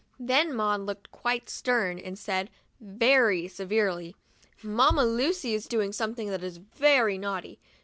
Then Maud looked quite stern and said, very severely, " Mamma Lucy is doing something that is very naughty.